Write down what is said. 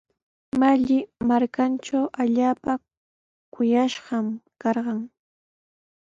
Malli markantraw allaapa kuyashqa karqan.